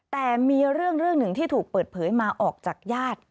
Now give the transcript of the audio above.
แต่มีเรื่องหนึ่งที่ถูกเปิดเผยมาออกจากญาติ